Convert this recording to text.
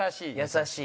「優しい」。